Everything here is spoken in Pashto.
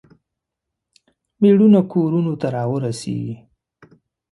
میړونه کورونو ته راورسیږي.